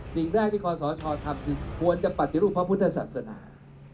สิ่งแรกที่คอสชทำคือควรจะปฏิรูปพระพุทธศาสนา